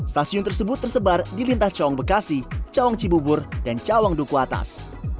stasiun tersebut tersebar di lintas cawong bekasi cawong cibubur dan cawong duku atas